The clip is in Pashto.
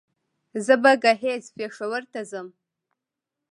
زه به ګهيځ پېښور ته ځم